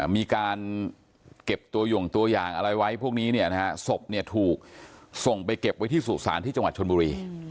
มีการเก็บตัวหย่งตัวอย่างอะไรไว้พวกนี้ศพถูกส่งไปเก็บไว้ที่สู่ศาลที่จังหวัดชนบุรี